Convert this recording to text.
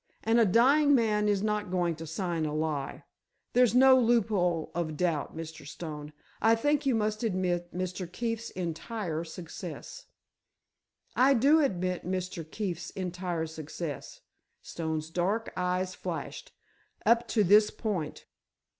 And a dying man is not going to sign a lie. There's no loophole of doubt, Mr. Stone. I think you must admit Mr. Keefe's entire success." "I do admit Mr. Keefe's entire success," Stone's dark eyes flashed, "up to this point.